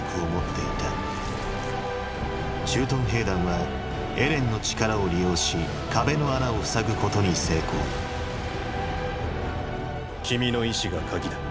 駐屯兵団はエレンの力を利用し壁の穴を塞ぐことに成功君の意志が「鍵」だ。